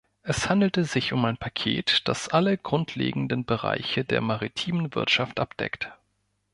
Es handelte sich um ein Paket, das alle grundlegenden Bereiche der maritimen Wirtschaft abdeckt.